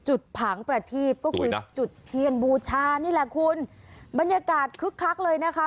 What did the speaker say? ผังประทีบก็คือจุดเทียนบูชานี่แหละคุณบรรยากาศคึกคักเลยนะคะ